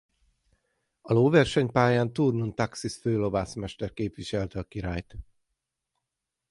A lóversenypályán Thurn und Taxis főlovászmester képviselte a királyt.